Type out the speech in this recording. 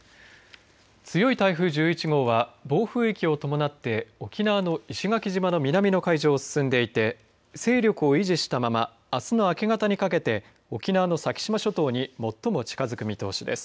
強い台風１１号は暴風域を伴って沖縄の石垣島の南の海上を進んでいて勢力を維持したままあすの明け方にかけて沖縄の先島諸島に最も近づく見通しです。